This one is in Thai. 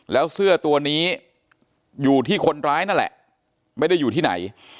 แล้วเสื้อตัวนี้อยู่ที่คนร้ายนั่นแหละไม่ได้อยู่ที่ไหน